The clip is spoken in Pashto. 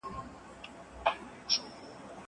زه به اوږده موده کتابونه وړلي وم!!